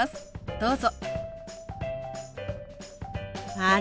どうぞ。